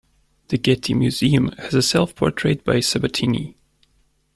The Getty Museum has a self-portrait by Sabatini.